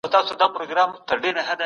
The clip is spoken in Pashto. د ماشوم خندا کور روښانوي